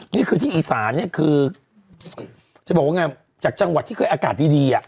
นี่คือที่อีสานเนี่ยคือจะบอกว่าไงจากจังหวัดที่เคยอากาศดี